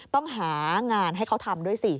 ต้องหางานให้เขาทำด้วยสิ